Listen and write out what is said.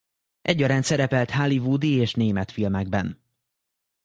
Egyaránt szerepelt hollywoodi és német filmekben.